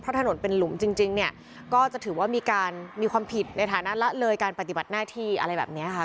ถนนเป็นหลุมจริงเนี่ยก็จะถือว่ามีการมีความผิดในฐานะละเลยการปฏิบัติหน้าที่อะไรแบบนี้ค่ะ